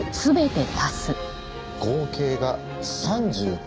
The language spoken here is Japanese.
合計が３９。